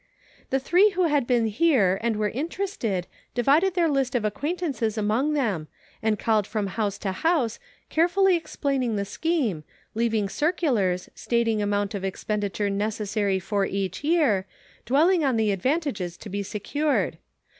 The three who had been here, and were interested, divided their list of acquaintances among them, and called from house to house, carefully explaining the scheme, leaving circulars, stating amount of ex penditure necessary for each year, dwelling on the advantages to be secured.